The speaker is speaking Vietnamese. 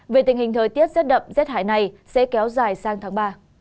về tình hình thời tiết rất đậm rét hải này sẽ kéo dài sang tháng ba